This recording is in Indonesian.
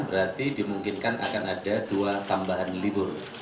berarti dimungkinkan akan ada dua tambahan libur